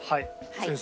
先生。